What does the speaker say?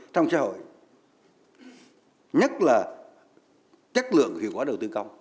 trong xã hội nhất là chất lượng hiệu quả đầu tư công